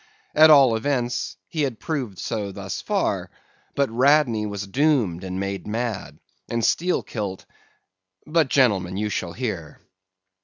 At all events, he had proved so thus far; but Radney was doomed and made mad, and Steelkilt—but, gentlemen, you shall hear.